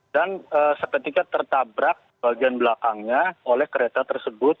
dan seketika tertabrak bagian belakangnya oleh kereta tersebut